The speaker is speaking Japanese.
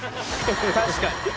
確かに。